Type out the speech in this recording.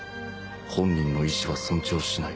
本人の意思は尊重しない。